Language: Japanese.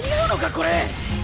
これ。